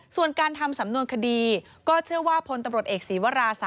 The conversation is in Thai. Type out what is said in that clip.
ส่วนการทำสำนวนคดีก็เชื่อว่าพลตำรวจเอกศีวรารังศีพรามณกุลรองค์